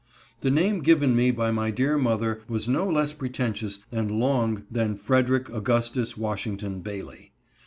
The name given me by my dear mother was no less pretentious and long than Frederick Augustus Washington Bailey.